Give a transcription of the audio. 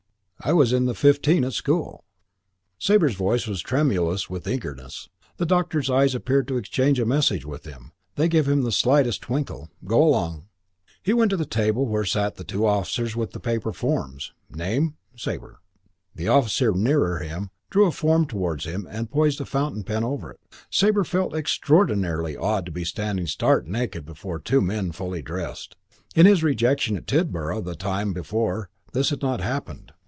I was in the XV at school." Sabre's voice was tremulous with eagerness. The doctor's eyes appeared to exchange a message with him. They gave the slightest twinkle. "Go along." He went to the table where sat the two officers with the paper forms. "Name?" "Sabre." The officer nearer him drew a form towards him and poised a fountain pen over it. Sabre felt it extraordinarily odd to be standing stark naked before two men fully dressed. In his rejection at Tidborough the time before this had not happened.